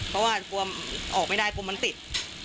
เพราะว่ากลัวออกไม่ได้กลัวมันติด